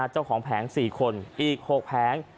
เจ้าของแผง๔คนอีก๖แผง